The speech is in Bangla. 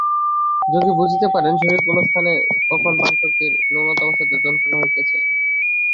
যোগী বুঝিতে পারেন, শরীরের কোন স্থানে কখন প্রাণশক্তির ন্যূনতাবশত যন্ত্রণা হইতেছে।